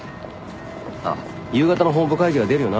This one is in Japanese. あっ夕方の本部会議は出るよな？